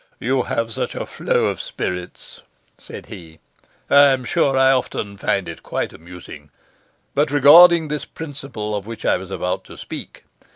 'You have such a flow of spirits,' said he, 'I am sure I often find it quite amusing. But regarding this principle of which I was about to speak.